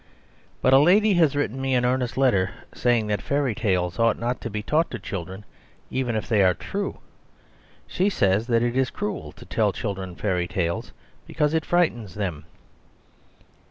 But a lady has written me an earnest letter saying that fairy tales ought not to be taught to children even if they are true. She says that it is cruel to tell children fairy tales, because it frightens them.